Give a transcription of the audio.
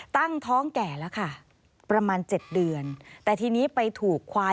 ตั้งท้องแก่แล้วค่ะ